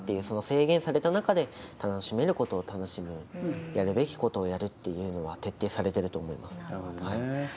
その制限された中で、楽しめることを楽しむ、やるべきことをやるっていうのは徹底されてると思います。